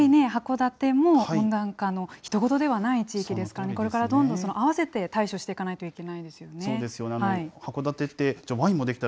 そうですよね、やっぱりね、函館も温暖化の、ひと事ではない地域ですからね、これからどんどんあわせて対処していかないといけなそうですよね。